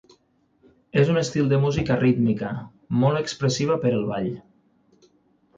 És un estil de música rítmica, molt expressiva per al ball.